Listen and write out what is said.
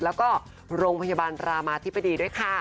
แล้วก็โรงพยาบาลรามาธิบดีด้วยค่ะ